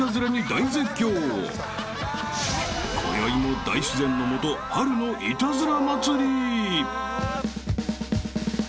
［こよいも大自然のもと春のイタズラ祭り］